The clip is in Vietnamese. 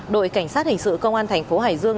đội cảnh sát hình sự công an thành phố hải dương